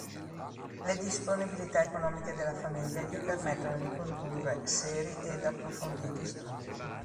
Le disponibilità economiche della famiglia gli permettono di condurre seri ed approfonditi studi.